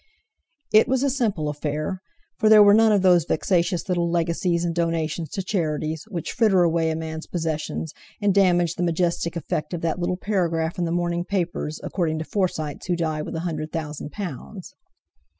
It was a simple affair, for there were none of those vexatious little legacies and donations to charities, which fritter away a man's possessions, and damage the majestic effect of that little paragraph in the morning papers accorded to Forsytes who die with a hundred thousand pounds.